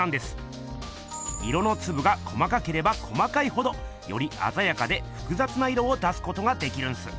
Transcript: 色のつぶが細かければ細かいほどよりあざやかでふくざつな色を出すことができるんす。